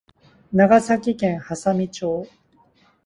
長崎県波佐見町